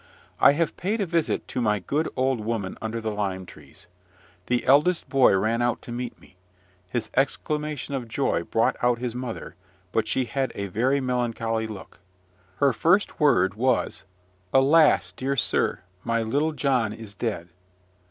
I have paid a visit to my good old woman under the lime trees. The eldest boy ran out to meet me: his exclamation of joy brought out his mother, but she had a very melancholy look. Her first word was, "Alas! dear sir, my little John is dead."